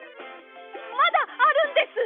まだあるんです！